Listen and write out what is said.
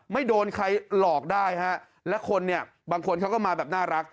ไม่โดนใครหลอกได้ฮะและคนเนี่ยบางคนเขาก็มาแบบน่ารัก